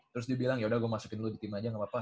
terus dia bilang yaudah gua masukin lu di tim aja gapapa